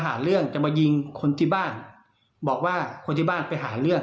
หาเรื่องจะมายิงคนที่บ้านบอกว่าคนที่บ้านไปหาเรื่อง